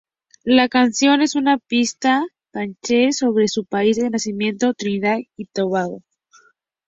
La canción es una pista dancehall, sobre su país de nacimiento Trinidad y Tobago.